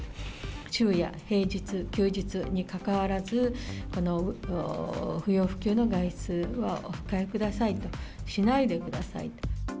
昼夜、平日、休日にかかわらず、不要不急の外出はお控えくださいと、しないでください。